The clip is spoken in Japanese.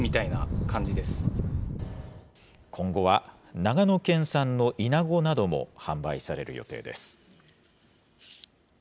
今後は長野県産のイナゴなども販売される予定です。